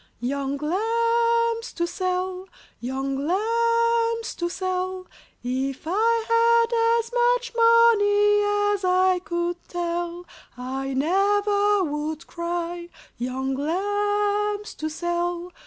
] Young lambs to sell! young lambs to sell! If I had as much money as I could tell, I never would cry, Young lambs to sell!